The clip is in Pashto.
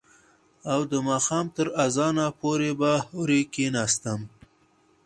او د ماښام تر اذانه پورې به هورې کښېناستم.